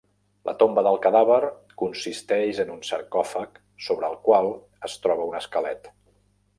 La tomba del cadàver consisteix en un sarcòfag sobre el qual es troba un esquelet.